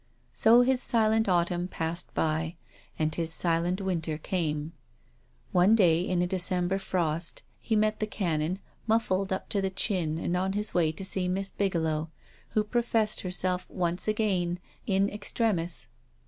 So his silent autumn passed by. And his silent winter came. One day, in a December frost, he met the Canon, muffled up to the chin and on his way to see Miss Bigelow, who professed her self once again in extremis.